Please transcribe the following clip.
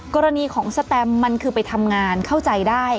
กรณีของสแตมมันคือไปทำงานเข้าใจได้